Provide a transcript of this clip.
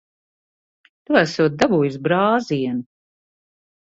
Tu esot dabūjis brāzienu.